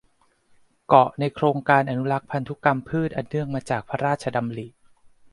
เกาะในโครงการอนุรักษ์พันธุกรรมพืชอันเนื่องมาจากพระราชดำริ